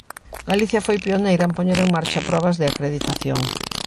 Galicia foi pioneira en poñer en marcha probas de acreditación.